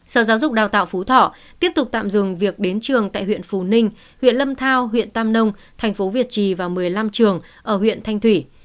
sở giáo dục đào tạo phú thọ tiếp tục tạm dừng việc đến trường tại huyện phù ninh huyện lâm thao huyện tam nông thành phố việt trì và một mươi năm trường ở huyện thanh thủy